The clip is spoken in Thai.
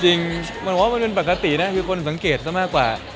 จริงมันว่ามันเป็นปกตินะคือคนสังเกตซะมากกว่า